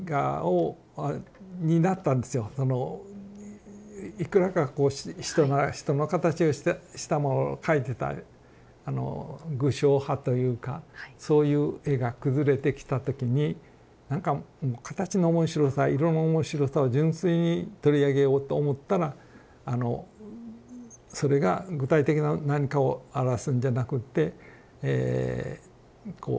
あのいくらかこう人の形をしたものを描いてたあの具象派というかそういう絵が崩れてきた時になんかもう形の面白さ色の面白さを純粋に取り上げようと思ったらそれが具体的な何かをあらわすんじゃなくってえこう